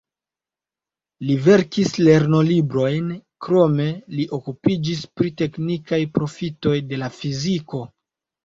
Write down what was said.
Li verkis lernolibrojn, krome li okupiĝis pri teknikaj profitoj de la fiziko.